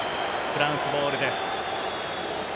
フランスボールです。